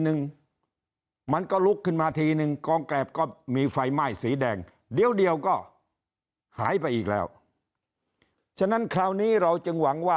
นึงมันก็ลุกขึ้นมาทีนึงกองแกรบก็มีไฟไหม้สีแดง